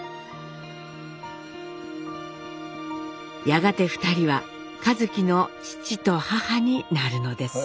やがて２人は一輝の父と母になるのです。